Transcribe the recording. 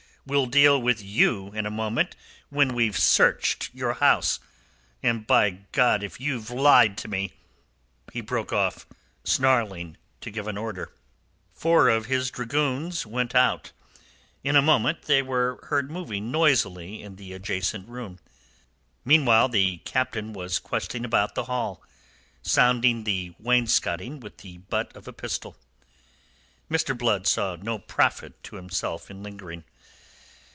We'll deal with you in a moment when we've searched your house. And, by God, if you've lied to me...." He broke off, snarling, to give an order. Four of his dragoons went out. In a moment they were heard moving noisily in the adjacent room. Meanwhile, the Captain was questing about the hall, sounding the wainscoting with the butt of a pistol. Mr. Blood saw no profit to himself in lingering.